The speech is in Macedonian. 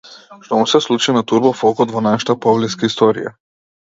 Што му се случи на турбо-фолкот во нашата поблиска историја?